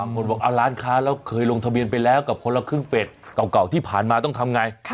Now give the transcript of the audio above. คนบอกร้านค้าแล้วเคยลงทะเบียนไปแล้วกับคนละครึ่งเฟสเก่าที่ผ่านมาต้องทำไง